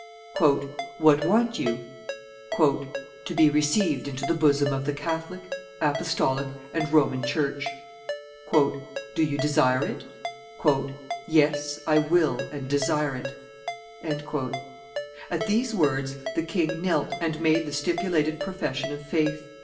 "What want you?" "To be received into the bosom of the Catholic, Apostolic, and Roman Church." "Do you desire it?" "Yes, I will and desire it." At these words the king knelt and made the stipulated profession of faith.